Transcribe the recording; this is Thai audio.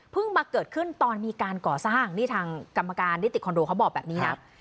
มาเกิดขึ้นตอนมีการก่อสร้างนี่ทางกรรมการนิติคอนโดเขาบอกแบบนี้นะ